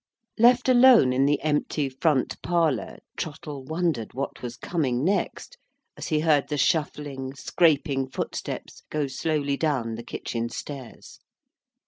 Left alone in the empty front parlour, Trottle wondered what was coming next, as he heard the shuffling, scraping footsteps go slowly down the kitchen stairs.